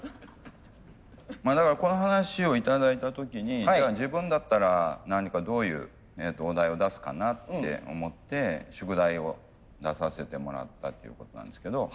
だからこの話を頂いた時にじゃあ自分だったら何かどういうお題を出すかなって思って宿題を出させてもらったっていうことなんですけど。